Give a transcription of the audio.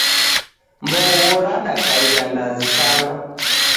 Mbogho radakaia ndazi sana